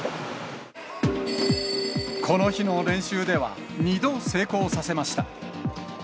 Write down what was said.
この日の練習では２度成功させました。